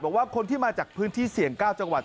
บอกว่าคนที่มาจากพื้นที่เสี่ยง๙จังหวัด